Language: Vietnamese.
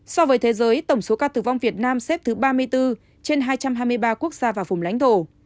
so với thế giới tổng số ca tử vong việt nam xếp thứ ba mươi bốn trên hai trăm hai mươi ba quốc gia và vùng lãnh thổ